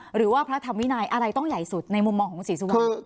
หรือว่าพระธรรมวินัยอะไรต้องใหญ่สุดในมุมมองของคุณศรีสุวรรณ